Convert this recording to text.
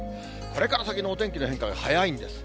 これから先のお天気の変化がはやいんです。